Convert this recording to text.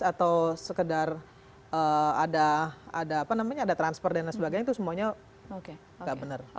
atau sekedar ada transfer dan lain sebagainya itu semuanya nggak benar